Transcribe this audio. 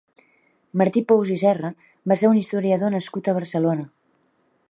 Martí Pous i Serra va ser un historiador nascut a Barcelona.